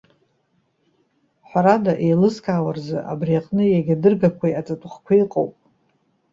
Ҳәарада, еилызкаауа рзы, абри аҟны иагьа адыргақәеи аҵатәхәқәеи ыҟоуп.